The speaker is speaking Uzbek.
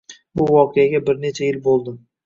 Bu voqeaga bir necha yil bo’ldi.